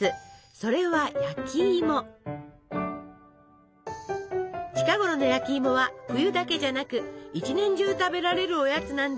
それは近頃の焼きいもは冬だけじゃなく一年中食べられるおやつなんです！